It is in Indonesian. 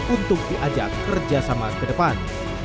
untuk diajak kerjasama ke depan